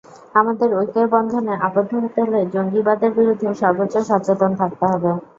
আমাদের ঐক্যের বন্ধনে আবদ্ধ হতে হলে জঙ্গিবাদের বিরুদ্ধে সর্বোচ্চ সচেতন থাকতে হবে।